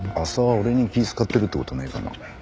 俺に気ぃ使ってるって事ねえかな？